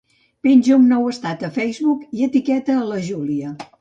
Penja un nou estat a Facebook i etiqueta a la Júlia.